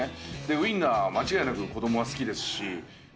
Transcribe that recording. ウインナー、間違いなく子どもは好きですし。